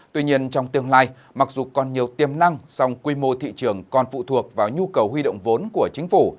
tuy nhiên trong tương lai mặc dù còn nhiều tiềm năng song quy mô thị trường còn phụ thuộc vào nhu cầu huy động vốn của chính phủ